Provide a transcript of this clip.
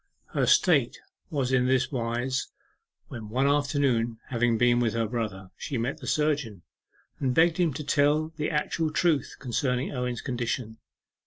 Her state was in this wise, when one afternoon, having been with her brother, she met the surgeon, and begged him to tell the actual truth concerning Owen's condition.